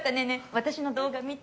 私の動画見て。